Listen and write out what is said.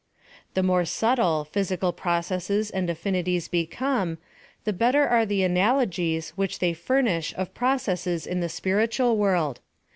The more subtle physical processes and affinities become, the better are the analogies which they furnish of processes in the spiritual world.